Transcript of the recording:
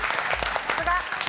さすが！